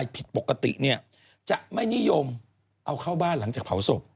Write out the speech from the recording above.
ผิดปกติจะไม่นิยมเอาเข้าบ้านหลังจากเผาศพ